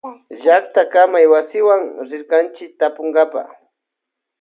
Llactakamaywasiman rirkanchi tapunkapa.